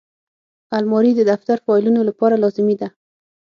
الماري د دفتر فایلونو لپاره لازمي ده